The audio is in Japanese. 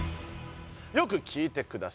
よく聞いてください。